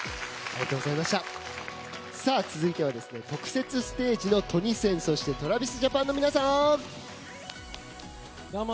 続いては特設ステージのトニセンそしてＴｒａｖｉｓＪａｐａｎの皆さん。